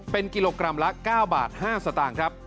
เป็นกิโลกรัมละ๙บาท๕สตางค์ครับ